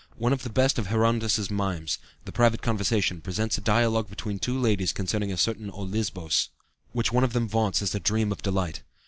One of the best of Herondas's mimes, "The Private Conversation," presents a dialogue between two ladies concerning a certain olisbos (or nbôn), which one of them vaunts as a dream of delight.